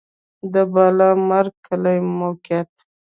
د بالامرګ کلی موقعیت